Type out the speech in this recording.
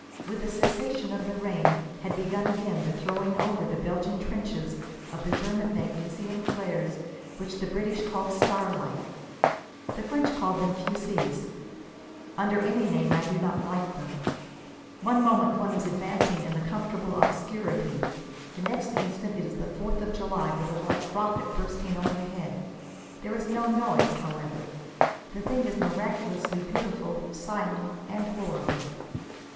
With the cessation of the rain had begun again the throwing over the Belgian trenches of the German magnesium flares, which the British call starlights. The French call them fusées. Under any name I do not like them. One moment one is advancing in a comfortable obscurity. The next instant it is the Fourth of July, with a white rocket bursting overhead. There is no noise, however. The thing is miraculously beautiful, silent and horrible.